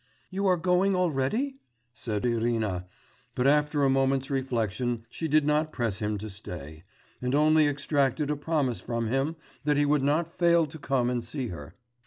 'You are going already?' said Irina, but after a moment's reflection she did not press him to stay, and only extracted a promise from him that he would not fail to come and see her.